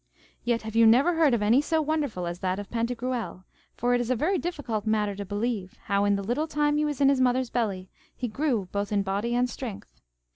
Yet have you never heard of any so wonderful as that of Pantagruel; for it is a very difficult matter to believe, how in the little time he was in his mother's belly he grew both in body and strength.